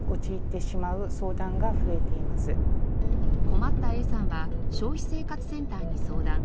困ったＡさんは消費生活センターに相談。